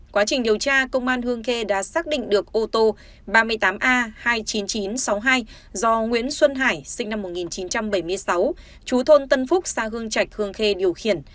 quá trình điều tra công an hương khê đã xác định được ô tô ba mươi tám a hai mươi chín nghìn chín trăm sáu mươi hai do nguyễn xuân hải sinh năm một nghìn chín trăm bảy mươi sáu chú thôn tân phúc xã hương trạch hương khê điều khiển